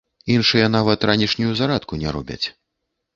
Іншыя нават ранішнюю зарадку не робяць!